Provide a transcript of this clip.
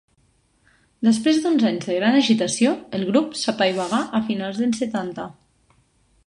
Després d'uns anys de gran agitació, el grup s'apaivagà a finals dels setanta.